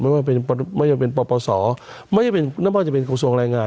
ไม่ว่าจะเป็นประวัติศาสตร์ไม่ว่าจะเป็นกรมส่วนแรงงาน